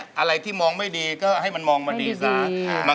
อะไรที่มองไม่ดีก็ให้มันมองมาดีซะ